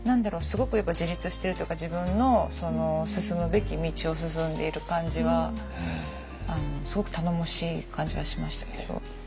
すごくやっぱ自立してるというか自分の進むべき道を進んでいる感じはすごく頼もしい感じはしましたけど。